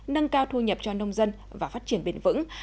nâng cao thu nhập cho nông dân và phát triển bền vững